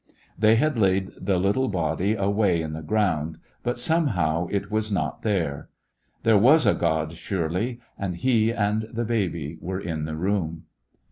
They had laid the little body away in the ground, but somehow it was not there. There was a God, surely, and He and the baby were in the room.